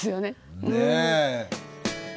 ねえ。